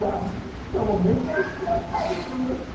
しかもめちゃくちゃタイプ！